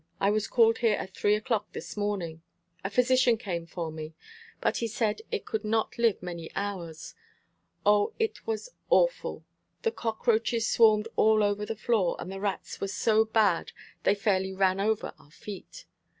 I was called here at three o'clock this morning. A physician came for me, but he said it could not live many hours. O, it was awful! The cockroaches swarmed all over the floor, and the rats were so bad they fairly ran over our feet.